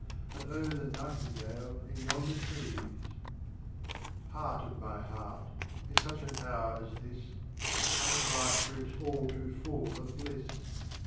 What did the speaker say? And O the nightingale in yonder trees ! jEART of my heart, in such an hour as this The cup of life brims all too full of bliss.